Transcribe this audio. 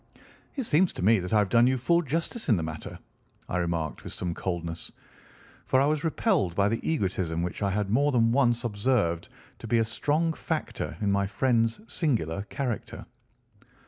"It seems to me that I have done you full justice in the matter," I remarked with some coldness, for I was repelled by the egotism which I had more than once observed to be a strong factor in my friend's singular character.